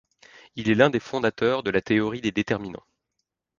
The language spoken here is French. Il est l'un des fondateurs de la théorie des déterminants.